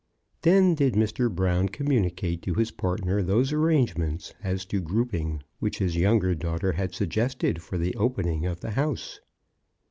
Then did Mr. Brown communicate to his partner those arrangements as to grouping which his younger daughter had suggested for the opening of the house.